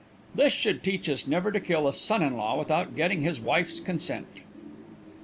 This should teach us never to kill a son in law without getting his wife's consent.